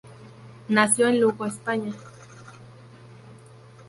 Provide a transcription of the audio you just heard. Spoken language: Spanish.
Nació en Lugo, España.